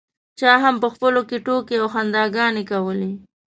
چا هم په خپلو کې ټوکې او خنداګانې کولې.